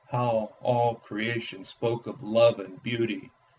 How all creation spoke of love and beauty!